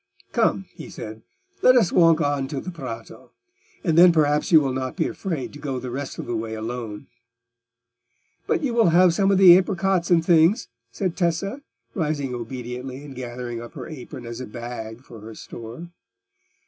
"Come," he said, "let us walk on to the Prato, and then perhaps you will not be afraid to go the rest of the way alone." "But you will have some of the apricots and things," said Tessa, rising obediently and gathering up her apron as a bag for her store.